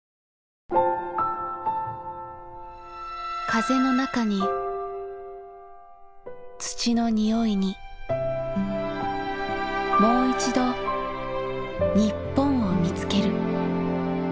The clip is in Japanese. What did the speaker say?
風の中に土の匂いにもういちど日本を見つける。